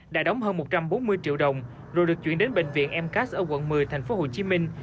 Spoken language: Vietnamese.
đã đóng hơn một trăm bốn mươi triệu đồng rồi được chuyển đến bệnh viện mcas ở quận một mươi thành phố hồ chí minh